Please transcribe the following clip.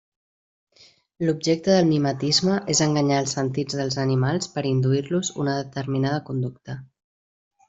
L'objecte del mimetisme és enganyar els sentits dels animals per induir-los una determinada conducta.